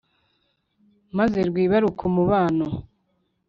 maze rwibaruke umubano